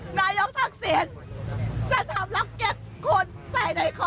พอมีเสื้อของแก้นนำเป็นไลน์เส้นของแก้นนำทุกคนที่อยู่ในนี้